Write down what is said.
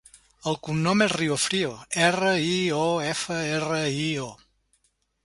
El cognom és Riofrio: erra, i, o, efa, erra, i, o.